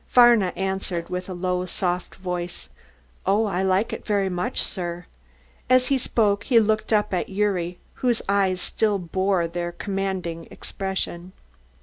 Varna answered with a low soft voice, "Oh, I like it very much, sir." As he spoke he looked up at Gyuri, whose eyes still bore their commanding expression.